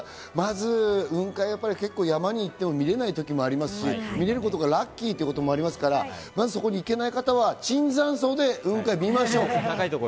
雲海、山に行っても見られない時もありますし、見られることがラッキーということもありますから、まずそこに行けない方は椿山荘で雲海を見ましょう。